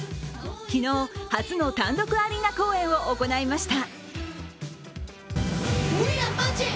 昨日、初の単独アリーナ公演を行いました。